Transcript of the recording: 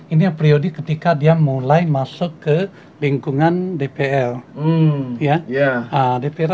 ini yang priode ketika dia mulai masuk ke lingkungan dpl